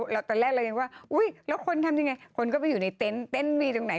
เราตอนแรกเรายังว่าคุณทำยังไงคุณก็ไปอยู่ในเต็นต์เต้นต์มีตรงไหน